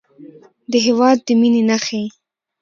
د هېواد د مینې نښې